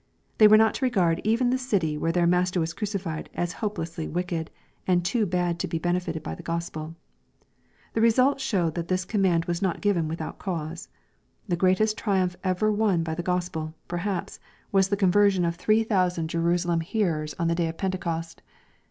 They were not to regard even the city where their Master was crucified as hopelessly wicked, and too bad to be benefited by the Gospel. Tlie result showed that this command was not given without cause. The greatest triumph ever won by the Gospn', perhaps, was the conversion of three thousand LUKE, CHAP. XXIV. 523 Jenia»lem hearers on the day of JPentecost.